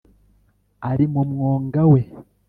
ari mu mwonga we